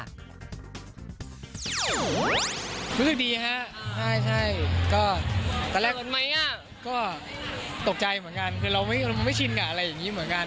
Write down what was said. รู้สึกดีฮะใช่ก็ตอนแรกก็ตกใจเหมือนกันคือเราไม่ชินกับอะไรอย่างนี้เหมือนกัน